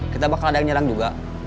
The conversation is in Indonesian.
kita bakal ada yang nyerang juga